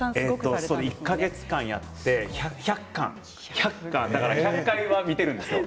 １か月間やって１００館１００回は見ているんですよ。